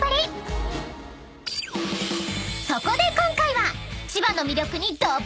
［そこで今回は］